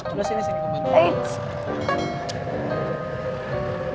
udah sini sini gua bantu